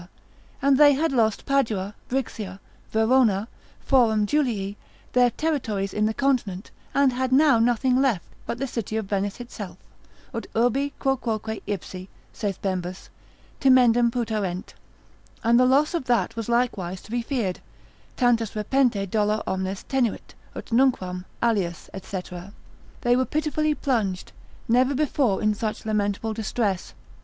and they had lost Padua, Brixia, Verona, Forum Julii, their territories in the continent, and had now nothing left, but the city of Venice itself, et urbi quoque ipsi (saith Bembus) timendum putarent, and the loss of that was likewise to be feared, tantus repente dolor omnes tenuit, ut nunquam, alias, &c., they were pitifully plunged, never before in such lamentable distress.